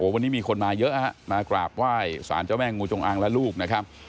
วันนี้มีคนมาเยอะมากราบไหว้สารเจ้าแม่งูจงอางและลูกนะครับ